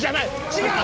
違う！